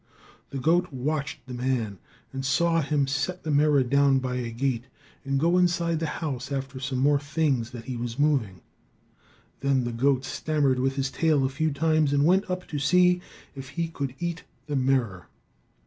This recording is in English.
The goat watched the man, and saw him set the mirror down by a gate and go inside the house after some more things that he was moving. Then the goat stammered with his tail a few times and went up to see if he could eat the mirror.